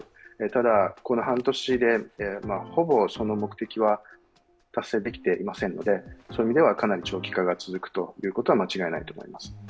ただ、この半年でほぼその目的は達成できていませんのでそういう意味ではかなり長期化が続くことは間違いないと思います。